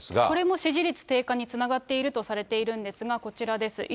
これも支持率低下につながっているとされているんですが、こちらです。